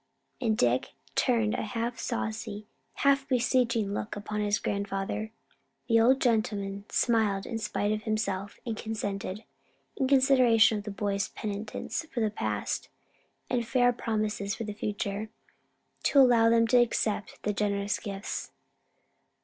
And Dick turned a half saucy, half beseeching look upon his grandfather. The old gentleman smiled in spite of himself, and consented, in consideration of the boys' penitence for the past, and fair promises for the future, to allow them to accept the generous gifts.